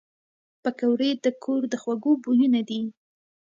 پکورې د کور د خوږو بویونه دي